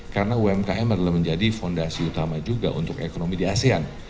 karena umkm adalah menjadi fondasi utama juga untuk ekonomi di asean